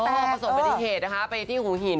ประสงค์เป็นอีกเหตุนะคะไปที่หูหิน